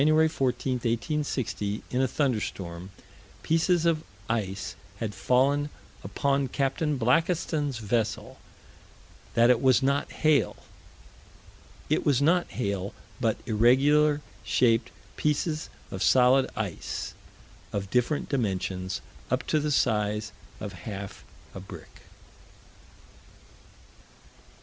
14, 1860, in a thunderstorm, pieces of ice had fallen upon Capt. Blakiston's vessel that it was not hail. "It was not hail, but irregular shaped pieces of solid ice of different dimensions, up to the size of half a brick."